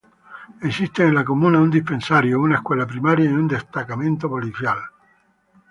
Existen en la comuna un dispensario, una escuela primaria y un destacamento policial.